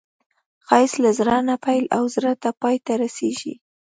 ښایست له زړه نه پیل او زړه ته پای ته رسېږي